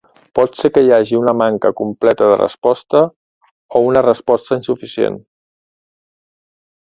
Pot ser que hi hagi una manca completa de resposta o una resposta insuficient.